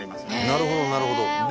なるほどなるほど。